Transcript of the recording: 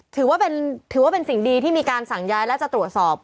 ถือว่าเป็นสิ่งดีที่มีการสั่งย้ายและจะตรวจสอบ